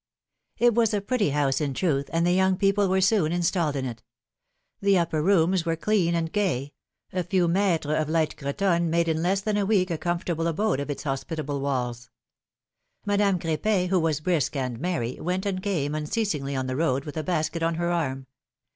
I T was a pretty house in truth, and the young people were soon installed in it. The upper rooms were clean and gay ; a few mUres of light cretonne made in less than a week a comfortable abode of its hospitable walls. Madame Cr^pin, who was brisk and merry, went and came unceasingly on the road with a basket on her arm.